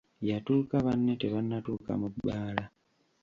Yatuuka banne tebannatuuka mu bbaala.